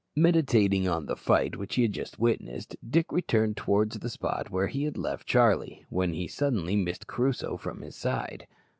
Meditating on the fight which he had just witnessed, Dick returned towards the spot where he had left Charlie, when he suddenly missed Crusoe from his side.